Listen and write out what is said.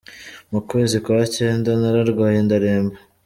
Mu kwezi kwa cyenda nararwaye, ndaremba.